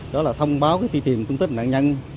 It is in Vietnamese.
đó là thông báo cái tỷ tiệm công tích nạn nhân